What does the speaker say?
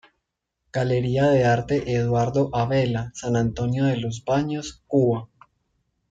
Galería de Arte Eduardo Abela, San Antonio de los Baños, Cuba.